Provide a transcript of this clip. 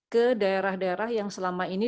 ke daerah daerah yang selama ini